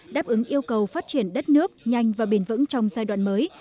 đáp ứng yêu cầu phát triển đất nước nhanh và bền vững trong giai đoạn mới